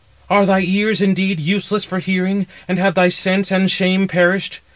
are thy ears indeed useless for hearing, and have thy sense and shame perished?